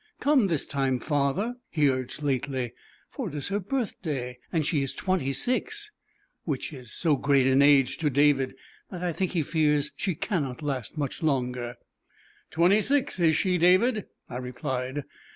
"Come this time, father," he urged lately, "for it is her birthday, and she is twenty six," which is so great an age to David, that I think he fears she cannot last much longer. "Twenty six, is she, David?" I replied.